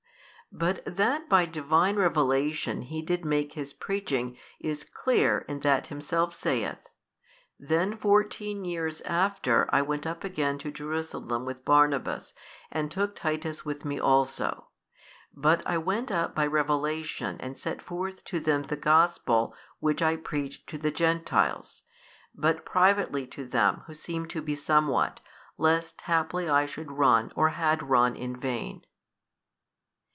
But that by Divine revelation he did make his preaching, is clear in that himself saith, Then fourteen years after I went up again to Jerusalem with Barnabas and took Titus with me also; but I went up by revelation and set forth to them the Gospel which I preach to the Gentiles, but privately to them who seemed to be somewhat, lest haply I should run or had run in vain.